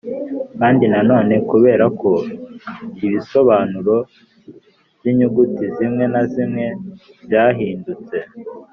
kandi nanone kubera ko ibisobanuro by’inyuguti zimwe na zimwe byahindutse